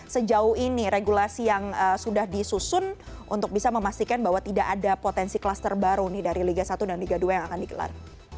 sejauh ini regulasi yang sudah disusun untuk bisa memastikan bahwa tidak ada potensi klaster baru nih dari liga satu dan liga dua yang akan digelar